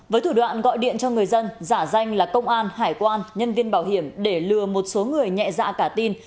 với thủ đoạn gọi điện cho người dân giả danh là công an hải quan nhân viên bảo hiểm để lừa một số người nhẹ dạ cả tin